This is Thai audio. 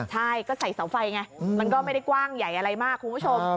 ใช่ก็ใส่เสาไฟไงมันก็ไม่ได้กว้างใหญ่อะไรมากคุณผู้ชม